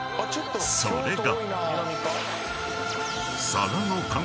［それが］